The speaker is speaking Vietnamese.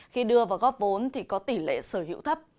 khi đưa vào góp vốn thì có tỷ lệ sở hữu thấp